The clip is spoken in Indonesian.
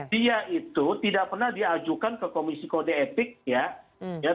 dia itu tidak pernah diajukan ke komisi kode etik ya